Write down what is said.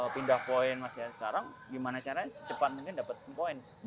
pindah poin masih sekarang gimana caranya secepat mungkin dapat poin